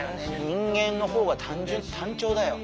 人間の方が単純単調だよ。